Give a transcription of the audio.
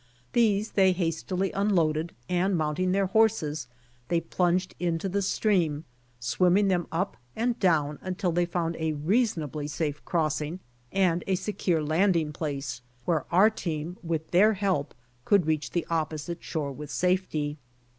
These they hast ily unloaded, and mounting their horses, they plunged into the stream, swimmdng them up and down until they found a reasonably safe crossing and a secure landing place, where our team with their help could reach the opposite shore with safety.